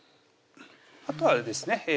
あとはあれですね